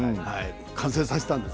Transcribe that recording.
完成させたんです。